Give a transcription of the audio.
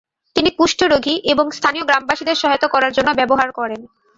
তিনি কুষ্ঠরোগী এবং স্থানীয় গ্রামবাসীদের সহায়তা করার জন্য ব্যবহার করেন।